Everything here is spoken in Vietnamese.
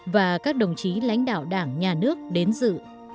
và các đồng chí lãnh đạo đảng nhà nước đến dự